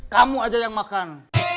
kamu aja yang makan